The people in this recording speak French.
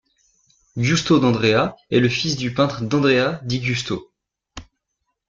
Giusto d'Andrea est le fils du peintre Andrea di Giusto.